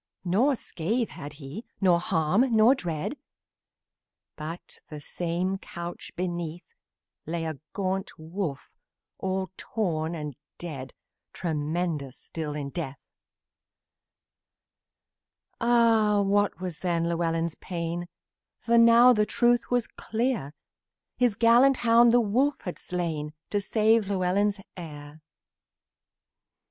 Nor scratch had he, nor harm, nor dread, But, the same couch beneath, Lay a great wolf, all torn and dead Tremendous still in death. Ah! What was then Llewellyn's pain! For now the truth was clear: The gallant hound the wolf had slain To save Llewellyn's heir.